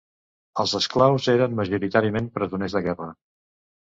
Els esclaus eren majoritàriament presoners de guerra.